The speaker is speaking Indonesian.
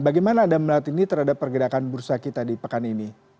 bagaimana anda melihat ini terhadap pergerakan bursa kita di pekan ini